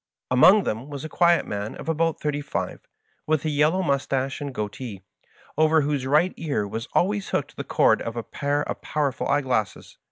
Among them was a quiet man of about thirty five, with a yellow mustache and goatee, over whose right ear was always hooked the cord of a pair of pow erful eyeglasses.